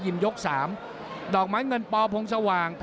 ติดตามยังน้อยกว่า